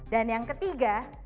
dan yang ketiga